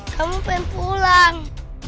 kamu pengen pulang